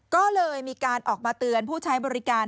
ก็เลยมีการออกมาเตือนผู้ใช้บริการ